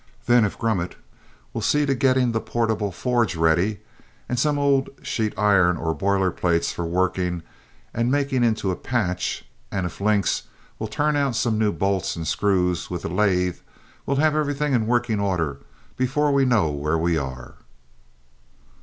Then if Grummet will see to getting the portable forge ready, and some old sheet iron or boiler plates for working and making into a patch, and if Links will turn out some new bolts and screws with the lathe, we'll have everything in working order before we know where we are!"